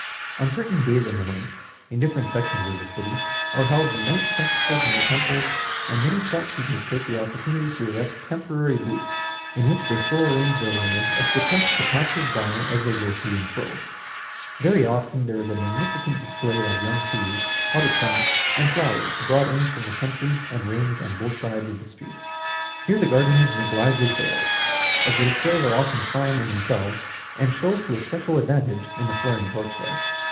On certain days in the month, in different sections of the city, are held night festivals near temples, and many shopkeepers take the opportunity to erect temporary booths, in which they so arrange their wares as to tempt the passers by as they go to and fro. Very often there is a magnificent display of young trees, potted plants, and flowers, brought in from the country and ranged on both sides of the street. Here the gardeners make lively sales, as the displays are often fine in themselves, and show to a special advantage in the flaring torchlight.